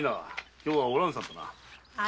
今日はお蘭さんとな。